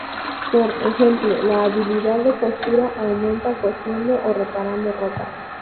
Por ejemplo la habilidad de "costura" aumenta cosiendo o reparando ropa.